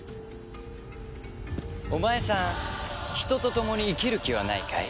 お前さん人とともに生きる気はないかい？